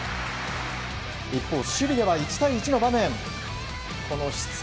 一方、守備では１対１の場面。